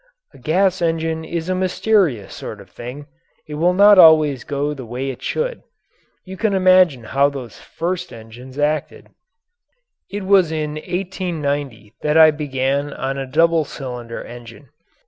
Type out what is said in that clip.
A gas engine is a mysterious sort of thing it will not always go the way it should. You can imagine how those first engines acted! It was in 1890 that I began on a double cylinder engine.